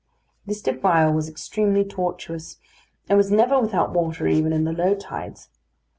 This defile was extremely tortuous, and was never without water even in the low tides.